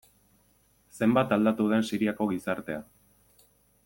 Zenbat aldatu den Siriako gizartea.